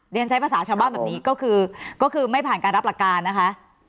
เรียนใช้ภาษาชาวบ้านแบบนี้ก็คือก็คือไม่ผ่านการรับหลักการนะคะ